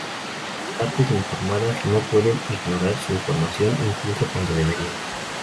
Las partes informadas no pueden ignorar su mejor información, incluso cuando deberían.